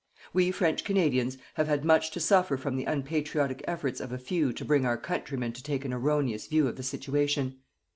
We, French Canadians, have had much to suffer from the unpatriotic efforts of a few to bring our countrymen to take an erroneous view of the situation.